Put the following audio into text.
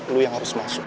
lo yang harus masuk